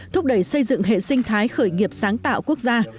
thúc đẩy xây dựng hệ sinh thái khởi nghiệp sáng tạo quốc gia